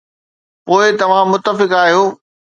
پوء توهان متفق آهيو؟